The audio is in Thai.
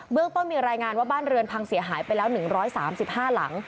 เรื่องต้นมีรายงานว่าบ้านเรือนพังเสียหายไปแล้ว๑๓๕หลัง